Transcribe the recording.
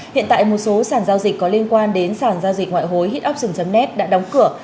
hiện tại một số sàn giao dịch có liên quan đến sàn giao dịch ngoại hối hitoption net đã đóng cửa